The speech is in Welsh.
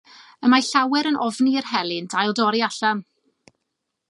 Y mae llawer yn ofni i'r helynt ail dorri allan.